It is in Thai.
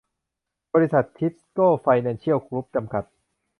บริษัท ทิสโก้ไฟแนนเชียลกรุ๊ป จำกัด